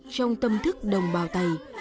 trong tâm thức đồng bào tày